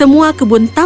kecuali kebun milik tiara